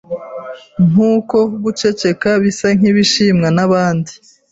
Nkuko guceceka bisa nkibishimwa nabandi